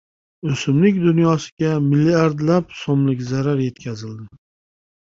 O‘simlik dunyosiga milliardlab so‘mlik zarar yetkazildi